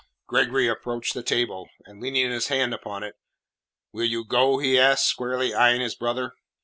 Gregory approached the table, and leaning his hand upon it: "Will you go?" he asked, squarely eyeing his brother.